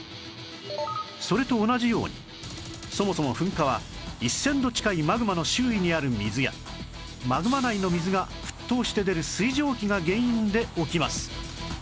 それと同じようにそもそも噴火は１０００度近いマグマの周囲にある水やマグマ内の水が沸騰して出る水蒸気が原因で起きます